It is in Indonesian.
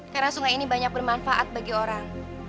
karena sungai ini banyak bermanfaat bagi orang